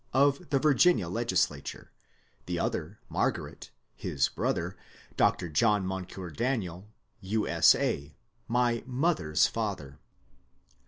of the Virginia Legislature, the other, Margaret, his brother. Dr. John Moncure Daniel, U. S. A., my mother's father.